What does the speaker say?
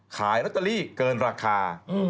ขายลอตเตอรี่เกินราคา